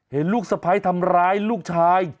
หลูกสะไพรฆ่าลูกชาย